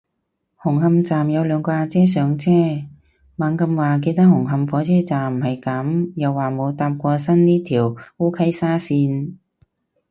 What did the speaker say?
紅磡站有兩個阿姐上車，猛咁話記得紅磡火車站唔係噉，又話冇搭過新呢條烏溪沙綫